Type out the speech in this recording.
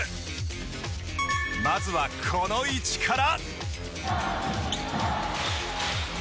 まずはこの位置から。